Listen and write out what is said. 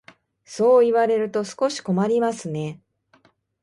そう言われると少し困りますね。